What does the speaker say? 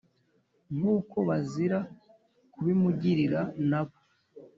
nk’uko bazira kubimugirira na bo